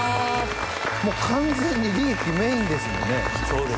完全にリーキメインですもんね。